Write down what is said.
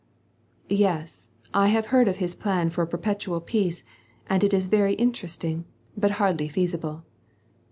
^' Yes, I have heard of his plan for a perpetual peace, and it is veiy interesting, but hardly feasible.'